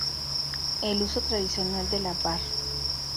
El uso tradicional de la var.